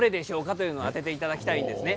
というのを当てていただきたいんです。